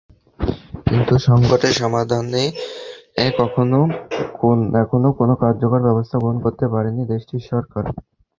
কিন্তু সংকটের সমাধানে এখনো কোনো কার্যকর ব্যবস্থা গ্রহণ করতে পারেনি দেশটির সরকার।